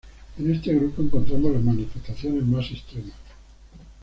En este grupo encontramos las manifestaciones más extremas.